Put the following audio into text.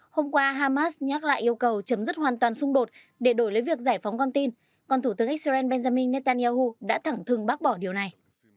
hôm qua hamas nhắc lại yêu cầu chấm dứt hoàn toàn xung đột để đổi lấy việc giải phóng con tin còn thủ tướng israel benjamin netanyahu đã thẳng thừng bác bỏ điều này